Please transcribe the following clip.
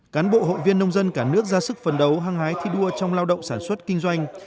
cán bộ hội viên nông dân cả nước ra sức phấn đấu hăng hái thi đua trong lao động sản xuất kinh doanh